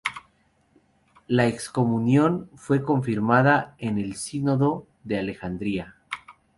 La excomunión fue confirmada en el Sínodo de Alejandría.